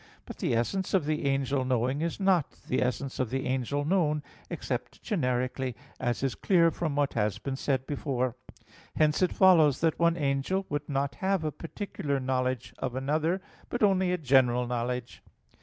But the essence of the angel knowing is not like the essence of the angel known, except generically; as is clear from what has been said before (Q. 50, A. 4; Q. 55, A. 1, ad 3). Hence, it follows that one angel would not have a particular knowledge of another, but only a general knowledge.